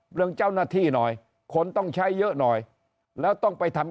เรื่องเจ้าหน้าที่หน่อยคนต้องใช้เยอะหน่อยแล้วต้องไปทำ